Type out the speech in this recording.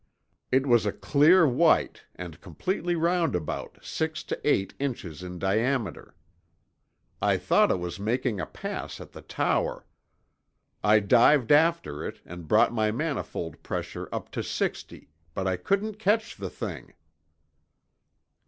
It was a clear white and completely roundabout six to eight inches in diameter. "I thought it was making a pass at the tower. I dived after it and brought my manifold pressure up to sixty, but I couldn't catch the thing."